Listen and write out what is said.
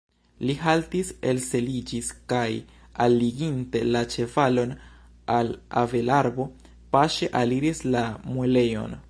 Li haltis, elseliĝis kaj, alliginte la ĉevalon al avelarbo, paŝe aliris la muelejon.